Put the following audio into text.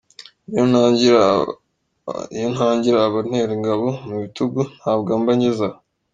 Iyo ntagira abantera ingabo mu bitugu ntabwo mba ngeze aha.